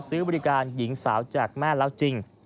ซื้อบริการหญิงสาวจากแม่แล้วจริง